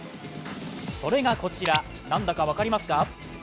それがこちら、何だか分かりますか？